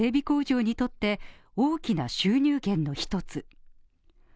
工場にとって大きな収入源の１つ。